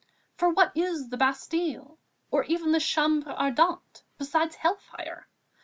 For what is the Bastille, or even the Chambre Ardente beside Hellfire?